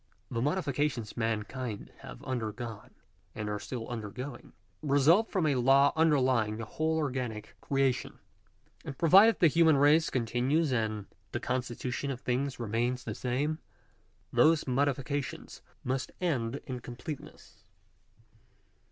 The modifications mankind have undergone, and are still undergoing, result from a law underlying the whole or ganic creation ; and provided the human race continues, and the constitution of things remains the same, those modifications must end in completeness.